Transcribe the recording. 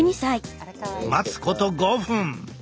待つこと５分。